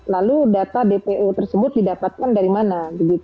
lalu data dpo tersebut didapatkan dari mana